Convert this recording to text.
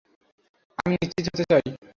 আমি নিশ্চিত হতে চাই।